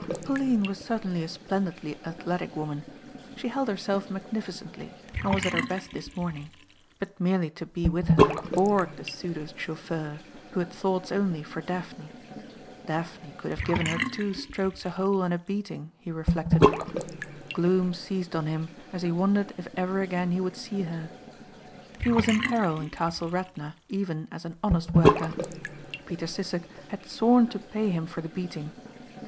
Pauline was certainly a splendidly athletic woman. She held herself magnificently and was at her best this morning but merely to be with her bored the pseudo chauffeur who had thoughts only for Daphne. Daphne could have given her two strokes a hole and a beating, he reflected. Gloom seized on him as he wondered if ever again he would see her. He was in peril in Castle Radna even as an honest worker. Peter Sissek had sworn to pay him for the beating.